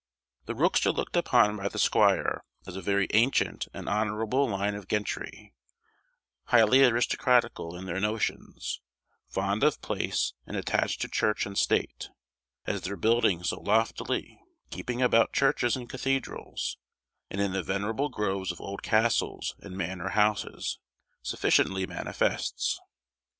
The rooks are looked upon by the squire as a very ancient and honourable line of gentry, highly aristocratical in their notions, fond of place, and attached to church and state; as their building so loftily, keeping about churches and cathedrals, and in the venerable groves of old castles and manor houses, sufficiently manifests.